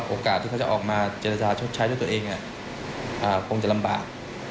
โอกาสที่เขาจะออกมาเจรจาชดใช้ด้วยตัวเองคงจะลำบาก